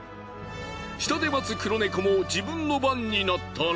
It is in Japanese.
下で待つ黒ネコも自分の番になったら。